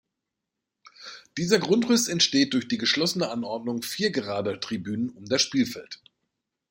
Dieser Grundriss entsteht durch die geschlossene Anordnung vier gerader Tribünen um das Spielfeld.